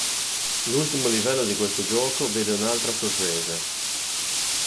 L'ultimo livello di questo gioco vede un'altra sorpresa.